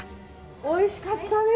おいしかったです。